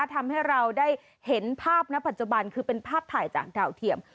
ทำให้เราได้เห็นภาพณปัจจุบันคือเป็นภาพถ่ายจากดาวเทียม